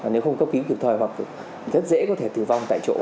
nếu không có ký cực thời hoặc rất dễ có thể tử vong tại chỗ